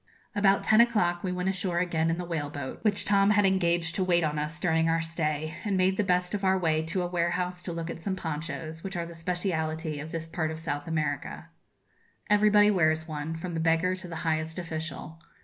About ten o'clock we went ashore again in the whale boat, which Tom had engaged to wait on us during our stay, and made the best of our way to a warehouse to look at some ponchos, which are the speciality of this part of South America. Everybody wears one, from the beggar to the highest official.